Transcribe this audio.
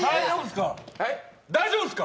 大丈夫っすか！？